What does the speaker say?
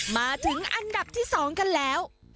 มาถึงอันดับที่๒กันแล้ว